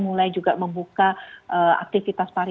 mulai juga membuka aktivitas pariwisata